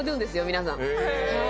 皆さん。